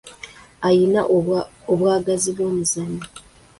Ayina obwagazi bw'omuzannyo.